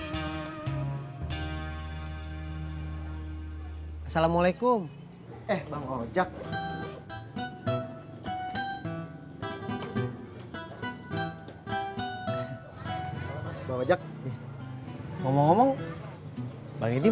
masalahnya aku gak bisa ngelakuin mobil ini